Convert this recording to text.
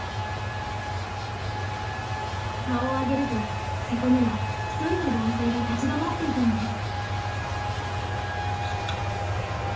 顔を上げるとそこには１人の男性が立ち止まっていたのです。